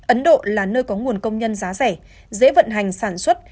ấn độ là nơi có nguồn công nhân giá rẻ dễ vận hành sản xuất